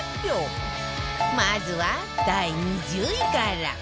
まずは第２０位から